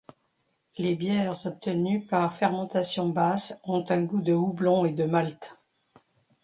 Les bières obtenues par fermentation basse ont un goût de houblon et de malt.